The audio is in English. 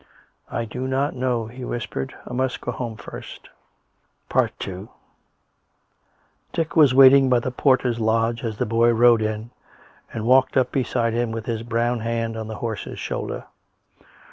" I do not know," he whispered. " I must go home first." II Dick was waiting by the porter's lodge as the boy rode in, and walked up beside him with his brown hand on the horse's shoulder.